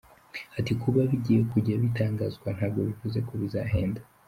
Ati ”Kuba bigiye kujya bitangazwa ntabwo bivuze ko bizahenda.